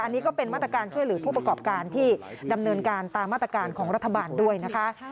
อันนี้ก็เป็นมาตรการช่วยเหลือผู้ประกอบการที่ดำเนินการตามมาตรการของรัฐบาลด้วยนะคะ